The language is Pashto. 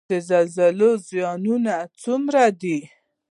د زلزلو زیانونه څومره دي؟